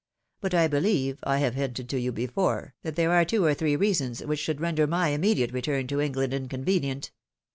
But, I beheve, I have hinted to you before, that there are two or three reasons which should render my immediate return to England inconvenient.